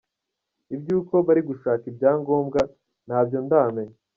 Iby’uko bari gushaka ibyangombwa ntabyo ndamenya.